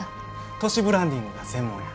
都市ブランディングが専門や。